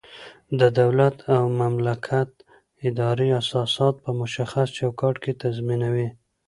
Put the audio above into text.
د دولت او مملکت ادارې اساسات په مشخص چوکاټ کې تنظیموي.